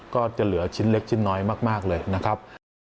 ก็จะเหลือชิ้นเล็กชิ้นน้อยมากเลยนะครับ